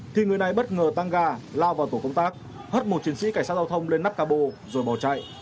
thì người này bất ngờ tăng ga lao vào tổ công tác hất một chiến sĩ cảnh sát giao thông lên nắp cabo rồi bỏ chạy